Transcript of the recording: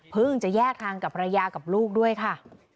เพิ่งจะแยกทางกับพระยากับลูกด้วยค่ะ